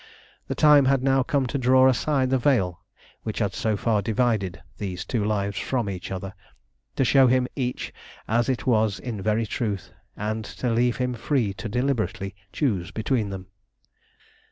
The time had now come to draw aside the veil which had so far divided these two lives from each other, to show him each as it was in very truth, and to leave him free to deliberately choose between them.